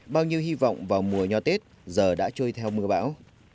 bao nhiêu hy vọng vào mùa nho tết giờ đã trôi theo mưa bão